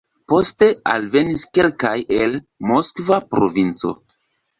Poste alvenis kelkaj el Moskva provinco.